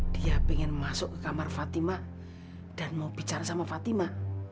dia ingin masuk ke kamar fatima dan mau bicara sama fatima